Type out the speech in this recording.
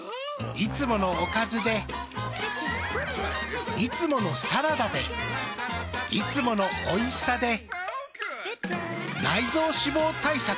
いつものおかずでいつものサラダでいつものおいしさで内臓脂肪対策。